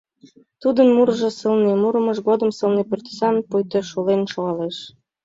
Тудын мурыжо сылне, мурымыж годым сылне пӱртӱсат пуйто шулен шогалеш.